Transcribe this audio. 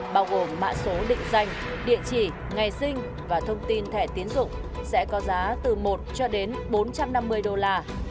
bao gồm mạng số định danh địa chỉ ngày sinh và thông tin thẻ tiến dụng sẽ có giá từ một cho đến bốn trăm năm mươi đô la